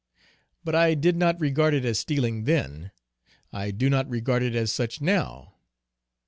But I did not regard it as stealing then, I do not regard it as such now.